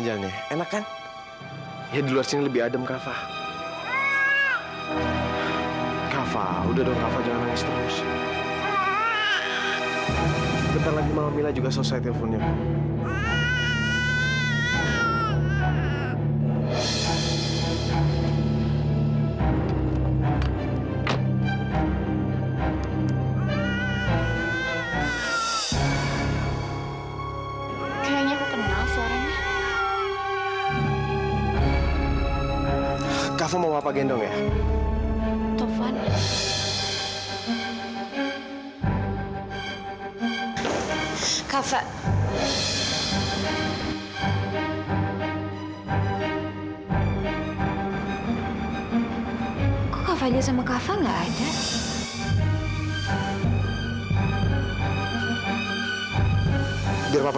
kalau kamu sudah melihat semuanya kamu tidak boleh marah